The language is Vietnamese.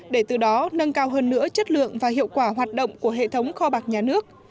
để từ đó nâng cao hơn nữa chất lượng và hiệu quả hoạt động của hệ thống kho bạc nhà nước